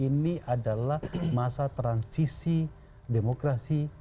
ini adalah masa transisi demokrasi